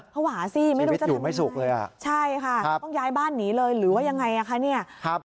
ผวาสิไม่รู้จะทำยังไงใช่ค่ะต้องย้ายบ้านหนีเลยหรือว่ายังไงคะ